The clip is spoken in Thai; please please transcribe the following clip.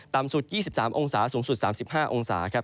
ต่ำสุด๒๓องศาสูงสุด๓๕องศา